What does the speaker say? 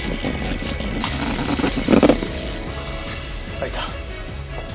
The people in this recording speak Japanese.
開いた。